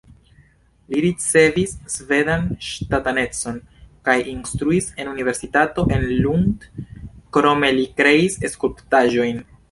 Li ricevis svedan ŝtatanecon kaj instruis en universitato en Lund, krome li kreis skulptaĵojn.